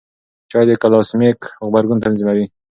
چای د ګلاسیمیک غبرګون تنظیموي.